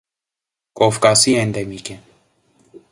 Կովկասի էնդեմիկ է։